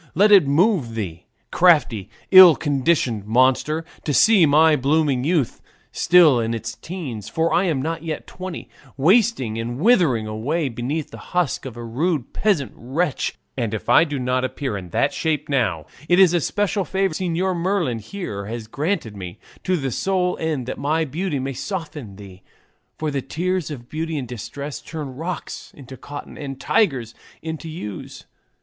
Let it move thee, crafty, ill conditioned monster, to see my blooming youth still in its teens, for I am not yet twenty wasting and withering away beneath the husk of a rude peasant wench; and if I do not appear in that shape now, it is a special favour Señor Merlin here has granted me, to the sole end that my beauty may soften thee; for the tears of beauty in distress turn rocks into cotton and tigers into ewes.